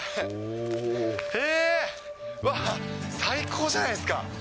最高じゃないですか。